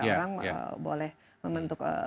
orang boleh membentuk